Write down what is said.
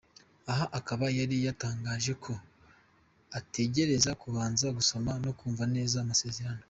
Aha akaba yari yatangaje ko ategereza kubanza gusoma no kumva neza amasezerano.